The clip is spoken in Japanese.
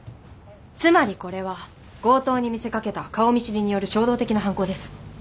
つまりこれは強盗に見せかけた顔見知りによる衝動的な犯行です。